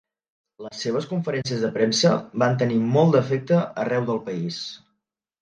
Les seves conferències de premsa van tenir molt d’efecte arreu del país.